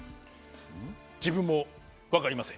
自分もわかりません。